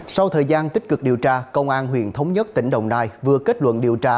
sau thời gian tích cực điều tra công an huyện thống nhất tỉnh đồng nai vừa kết luận điều tra